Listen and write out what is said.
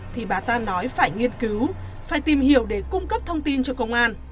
thì bà ta nói phải nghiên cứu phải tìm hiểu để cung cấp thông tin cho công an